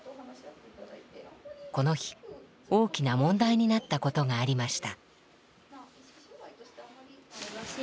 この日大きな問題になったことがありました。